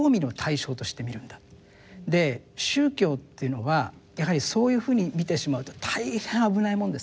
宗教っていうのはやはりそういうふうに見てしまうと大変危ないもんですね。